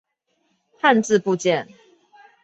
汉字部件。